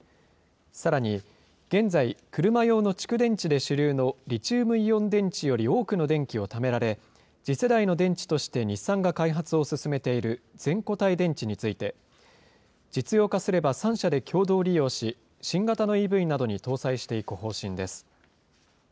さらに現在、車用の蓄電池で主流のリチウムイオン電池より多くの電気をためられ、次世代の電池として日産が開発を進めている全固体電池について、実用化すれば３社で共同利用し、新型のＥＶなどに搭載していく方針です。